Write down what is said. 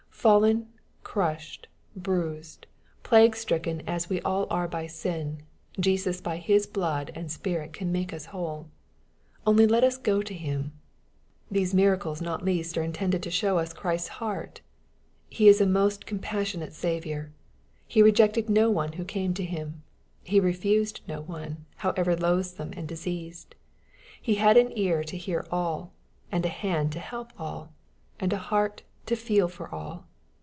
Fallen, crushed, bruised^ plague stricken as we all are by sin, Jesus by His blood and Spirit can make us whole. Only let us go to Him. These miracles not least are intended to show us Christ's heart. He is a most compassionate Saviour. He rejected no one who came to Him. He refused no one, however loathsome and diseased. He had an ear to hear all, and a hand to help all, and a heart to feel for all.